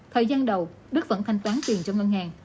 thời gian đầu đức vẫn thanh toán tiền cho ngân hàng